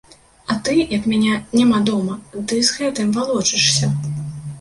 А ты, як мяне няма дома, дык з гэтым валочышся!!